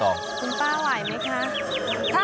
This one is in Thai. คุณป้าไหวไหมคะ